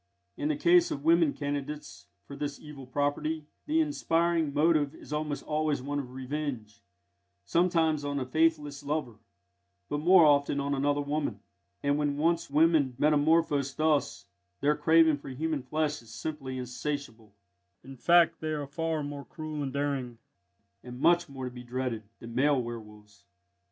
In the case of women candidates for this evil property, the inspiring motive is almost always one of revenge, sometimes on a faithless lover, but more often on another woman; and when once women metamorphose thus, their craving for human flesh is simply insatiable in fact, they are far more cruel and daring, and much more to be dreaded, than male werwolves.